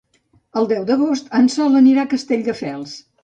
El deu d'agost en Sol anirà a Castelldefels.